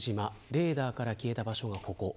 レーダーから消えた場所がここ。